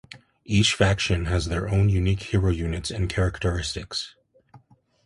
Each faction has their own unique hero units and characteristics.